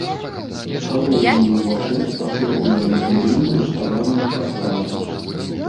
Галоўны ўваход аформлены буйным руставаным парталам.